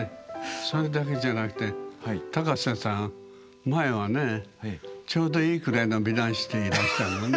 それだけじゃなくて高瀬さん前はねちょうどいいくらいの美男子でいらしたのね。